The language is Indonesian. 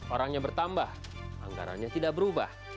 orangnya bertambah anggarannya tidak berubah